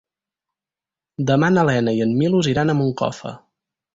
Demà na Lena i en Milos iran a Moncofa.